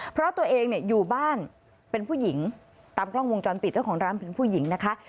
เพราะตัวเองเนี่ยอยู่บ้านเป็นผู้หญิงตามกล้องวงจรปิดเจ้าของร้านเป็นผู้หญิงนะคะ